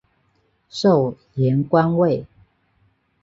授盐官尉。